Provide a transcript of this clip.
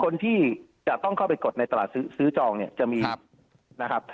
คนที่จะต้องเข้าไปกดในตลาดซื้อจองเนี่ยจะมีนะครับ